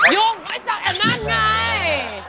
ยุ่งไม่สักแอบนั้นไง